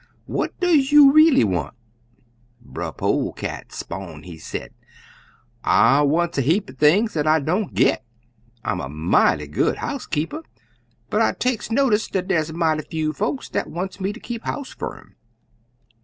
What does you reely want?' Brer Polecat 'spon', he did, 'I wants a heap er things dat I don't git. I'm a mighty good housekeeper, but I takes notice dat dar's mighty few folks dat wants me ter keep house fer um.'